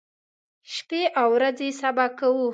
شپې او ورځې سبا کوو.